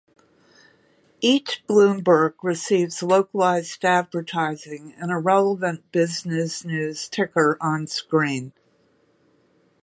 Each Bloomberg receives localized advertising and a relevant business news ticker on screen.